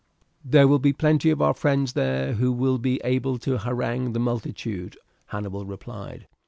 "There will be plenty of our friends there who will be able to harangue the multitude," Hannibal replied.